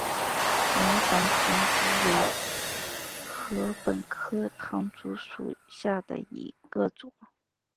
毛环唐竹为禾本科唐竹属下的一个种。